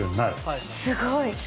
すごい。